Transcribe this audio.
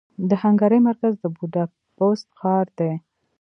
د هنګري مرکز د بوداپست ښار دې.